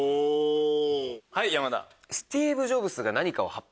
はい山田。